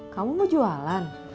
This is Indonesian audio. kamu mau jualan